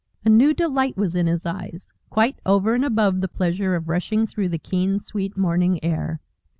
A new delight was in his eyes, quite over and above the pleasure of rushing through the keen, sweet, morning air.